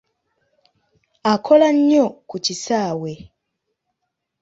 Akola nnyo ku kisaawe.